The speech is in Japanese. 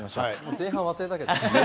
前半忘れたけど。